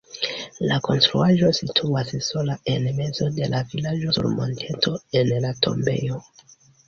La konstruaĵo situas sola en mezo de la vilaĝo sur monteto en la tombejo.